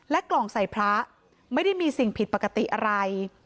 กล่องใส่พระไม่ได้มีสิ่งผิดปกติอะไร